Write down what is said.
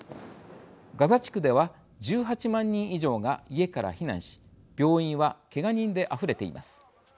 ガザ地区では１８万人以上が家から避難し病院はけが人であふれています。